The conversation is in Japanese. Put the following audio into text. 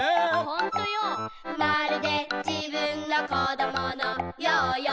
「ほんとよ、まるで自分の小どものようよ」